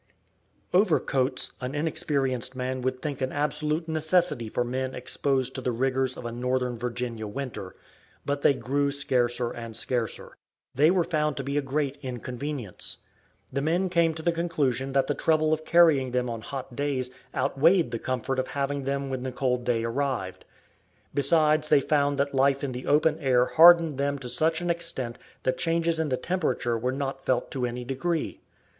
Overcoats an inexperienced man would think an absolute necessity for men exposed to the rigors of a northern Virginia winter, but they grew scarcer and scarcer; they were found to be a great inconvenience. The men came to the conclusion that the trouble of carrying them on hot days outweighed the comfort of having them when the cold day arrived. Besides they found that life in the open air hardened them to such an extent that changes in the temperature were not felt to any degree.